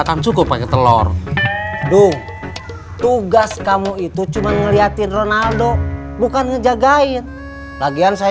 akan cukup pakai telur tuh tugas kamu itu cuma ngeliatin ronaldo bukan menjaga in bagian saya